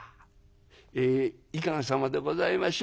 「えいかがさまでございましょう？